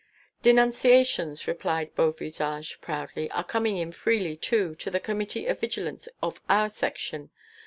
"Denunciations," replied Beauvisage proudly, "are coming in freely, too, to the Committee of Vigilance of our Section.